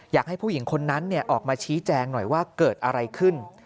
อยากให้ผู้หญิงคนนั้นออกมาชี้แจงหน่อยว่าเกิดอะไรขึ้น